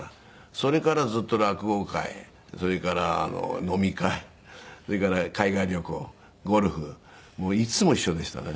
それからずっと落語会それから飲み会それから海外旅行ゴルフいつも一緒でしたね。